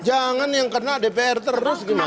jangan yang kena dpr terus gimana